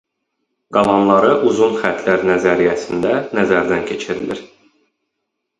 Qalanları uzun xətlər nəzəriyyəsində nəzərdən keçirilir.